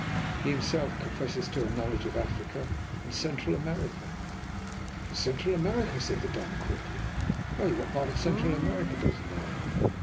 He himself confesses to a knowledge of Africa and Central America." "To Central America?" said the Don quickly. "Pray what part of Central America does he know?"